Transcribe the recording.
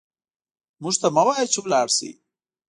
موږ ته مه وايه چې لاړ شئ